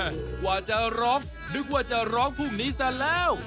กว่าจะร้องนึกว่าจะร้องพรุ่งนี้ซะแล้ว